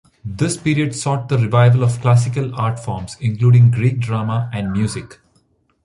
This period sought the revival of classical art forms, including Greek drama and music.